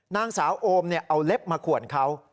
นางสาวโอมเอาเล็บมาขวนเขา